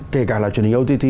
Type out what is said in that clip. kể cả là truyền hình ott